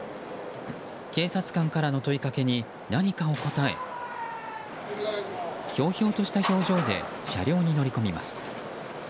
警察官からの問いかけに何かを答えひょうひょうとした表情で車両に乗り込みます。